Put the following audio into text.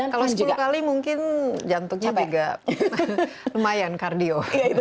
kalau sepuluh kali mungkin jantungnya juga lumayan kardio